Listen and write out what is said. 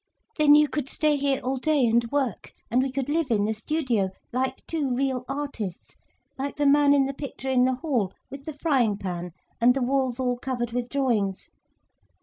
Then you could stay here all day and work, and we could live in the studio, like two real artists, like the man in the picture in the hall, with the frying pan and the walls all covered with drawings.